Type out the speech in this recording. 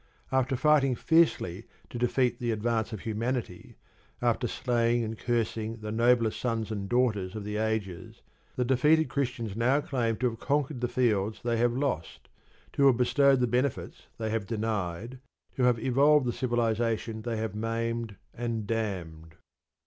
After fighting fiercely to defeat the advance of humanity, after slaying and cursing the noblest sons and daughters of the ages, the defeated Christians now claim to have conquered the fields they have lost, to have bestowed the benefits they have denied, to have evolved the civilisation they have maimed and damned.